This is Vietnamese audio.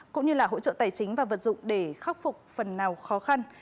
cũng như là hỗ trợ tài chính và vật dụng để khắc phục phần nào khó khăn